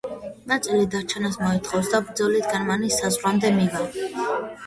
ნაწილში დარჩენას მოითხოვს და ბრძოლით გერმანიის საზღვრამდე მივა.